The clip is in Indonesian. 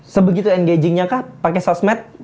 sebegitu engagingnya kah pakai sosmed